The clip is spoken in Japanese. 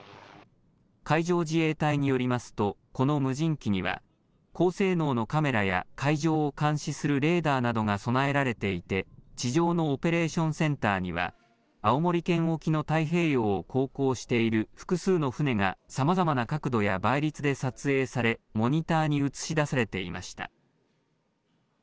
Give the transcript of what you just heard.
海上自衛隊によりますと、この無人機には高性能のカメラや海上を監視するレーダーなどが備えられていて、地上のオペレーションセンターには、青森県沖の太平洋を航行している複数の船がさまざまな角度や倍率で撮影され、モニターに映し出されていました。